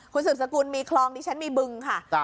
คุณสืบสกุลมีคลองดิฉันมีบึงค่ะ